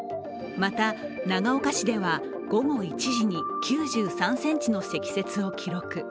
また長岡市では、午後１時に９３ｃｍの積雪を記録。